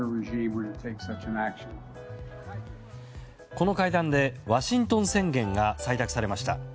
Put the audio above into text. この会談でワシントン宣言が採択されました。